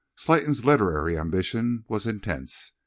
Slayton's literary ambition was intense.